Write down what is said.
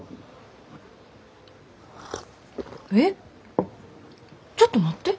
えっちょっと待って。